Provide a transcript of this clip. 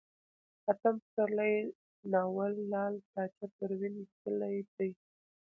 اتم پسرلی ناول لال تاجه پروين ليکلئ دی